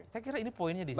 saya kira ini poinnya di situ